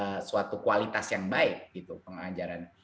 dan juga dengan suatu kualitas yang baik gitu pengajaran